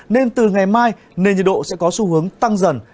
nên từ ngày mai nền nhiệt độ sẽ có xu hướng tăng dần